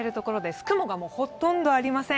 雲がほとんどありません。